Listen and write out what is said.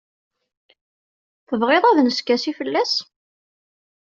Tebɣiḍ ad neskasi fell-as?